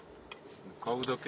向かうだけ。